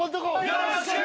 よろしく！